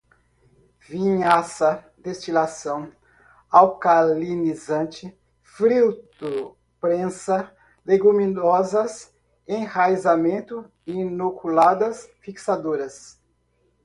vinhaça, destilação, alcalinizante, filtro prensa, leguminosas, enraizamento, inoculadas, fixadoras